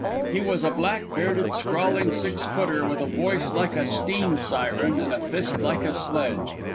He was a black bearded, scrawling six footer, with a voice like a steam siren and a fist like a sledge.